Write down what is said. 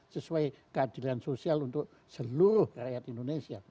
sesuai keadilan sosial untuk seluruh rakyat indonesia